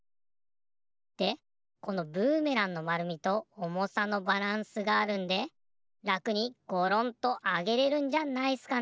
でこのブーメランのまるみとおもさのバランスがあるんでらくにゴロンとあげれるんじゃないっすかね。